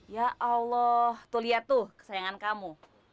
ya allah tuh lihat tuh kesayangan kamu